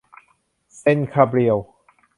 เซนต์คาเบรียล